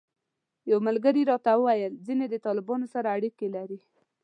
یو ملګري راته وویل ځینې د طالبانو سره اړیکې لري.